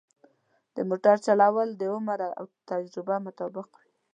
د موټر چلول د عمر او تجربه مطابق وي.